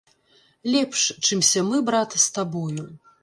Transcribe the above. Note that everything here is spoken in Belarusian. Лепш, чымся мы, брат, з табою!